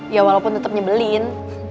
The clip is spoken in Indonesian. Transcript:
ya walaupun tetep nyebelin